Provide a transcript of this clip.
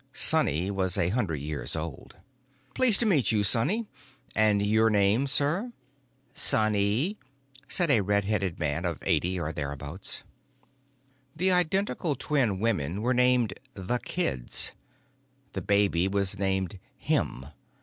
Sonny was a hundred years old. "Pleased to meet you, Sonny. And your name, sir?" "Sonny," said a redheaded man of eighty or thereabouts. The identical twin women were named The Kids. The baby was named Him.